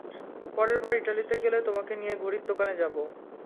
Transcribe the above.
পরেরবার ইটালিতে গেলে তোমাকে নিয়ে ঘড়ির দোকানে যাব!